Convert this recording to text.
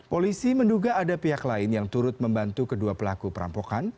polisi menduga ada pihak lain yang turut membantu kedua pelaku perampokan